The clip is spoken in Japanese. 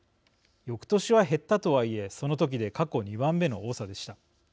よくとしは減ったとはいえその時で過去２番目の多さでした。